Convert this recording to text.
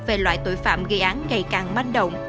về loại tội phạm gây án ngày càng manh động